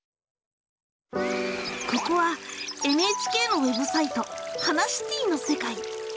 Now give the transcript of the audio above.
ここはＮＨＫのウェブサイト「ハナシティ」の世界。